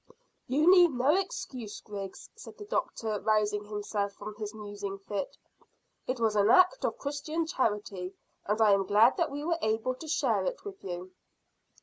"You need no excuses, Griggs," said the doctor, rousing himself from his musing fit. "It was an act of Christian charity, and I am glad that we were able to share it with you."